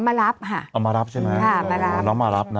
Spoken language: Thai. อ๋อมารับค่ะมารับใช่ไหมน้องมารับนะ